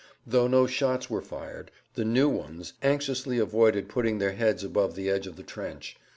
Though no shots were fired the "new ones" anxiously avoided putting their heads above the edge of the trench.